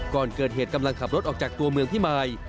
ก่อนเกิดเหตุกำลังขับรถออกจากตัวเมืองพิมาย